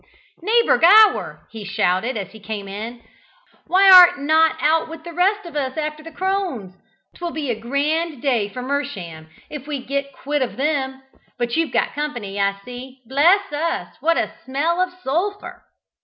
"Neighbour Gower!" he shouted, as he came in, "why ar't not out with the rest of us after the crones? 'Twill be a grand day for Mersham if we get quit of them. But you've got company, I see bless us, what a smell of sulphur!"